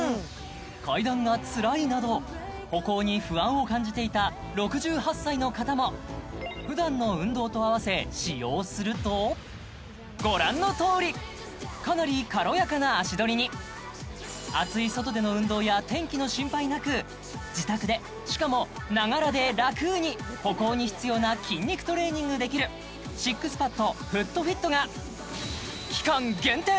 階段がつらいなど歩行に不安を感じていた６８歳の方もふだんの運動と併せ使用するとご覧のとおりかなり軽やかな足取りに暑い外での運動や天気の心配なく自宅でしかもながらでラクに歩行に必要な筋肉トレーニングできるＳＩＸＰＡＤＦｏｏｔＦｉｔが期間限定